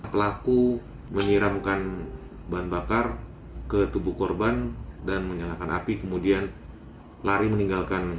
pelaku menyiramkan bahan bakar ke tubuh korban dan menyalakan api kemudian lari meninggalkan